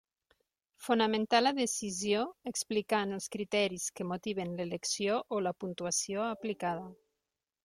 Fonamentar la decisió, explicant els criteris que motiven l'elecció o la puntuació aplicada.